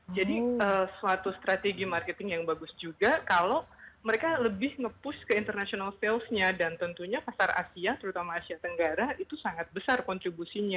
jadi suatu strategi marketing yang bagus juga kalau mereka lebih nge push ke international sales nya dan tentunya pasar asia terutama asia tenggara itu sangat besar kontribusinya